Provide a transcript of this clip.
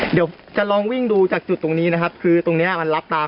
เดี๋ยวจะลองวิ่งดูจากจุดตรงนี้นะครับคือตรงเนี้ยมันรับตาม